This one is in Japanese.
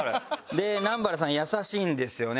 で南原さん優しいんですよね